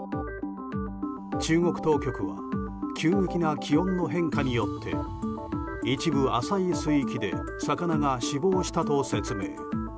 中国当局は急激な気温の変化によって一部、浅い水域で魚が死亡したと説明。